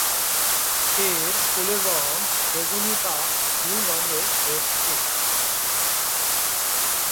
এর ফুলের রঙ বেগুনী বা নীল রঙের হয়ে থাকে।